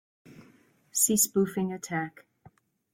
See spoofing attack.